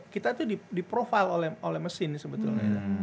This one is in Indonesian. kita itu di profile oleh mesin sebetulnya